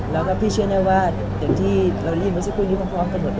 แล้วก็พี่เชื่อแน่ว่าอย่างที่เราได้ยินมาสักครู่นี้พร้อมกันหมด